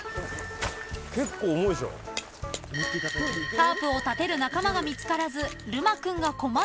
［タープを建てる仲間が見つからずるま君が困っていると］